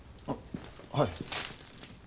あっはい。